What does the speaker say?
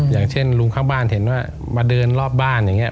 อย่างเช่นลุงข้างบ้านเห็นว่ามาเดินรอบบ้านอย่างนี้